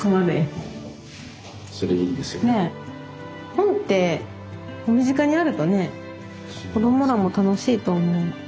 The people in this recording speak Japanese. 本って身近にあるとね子供らも楽しいと思う。